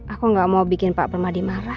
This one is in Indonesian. aku gak mau bikin pak permadi marah